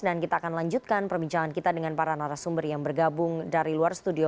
dan kita akan lanjutkan perbincangan kita dengan para narasumber yang bergabung dari luar studio